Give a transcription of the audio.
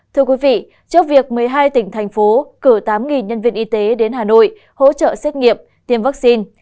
thưa quý vị trước việc một mươi hai tỉnh thành phố cử tám nhân viên y tế đến hà nội hỗ trợ xét nghiệm tiêm vaccine